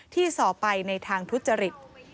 ส่อไปในทางทุจริต